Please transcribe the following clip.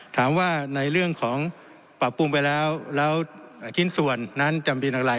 ถามว่าในเรื่องของปรับปรุงไปแล้วแล้วชิ้นส่วนนั้นจำเป็นอย่างไร